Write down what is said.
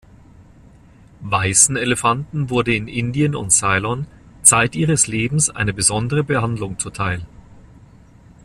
Weißen Elefanten wurde in Indien und Ceylon zeit ihres Lebens eine besondere Behandlung zuteil.